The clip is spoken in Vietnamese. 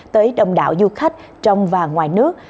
tới đông đảo du khách trong và ngoài nước